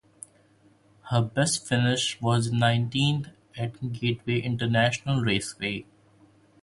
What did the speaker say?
Her best finish was a nineteenth at Gateway International Raceway.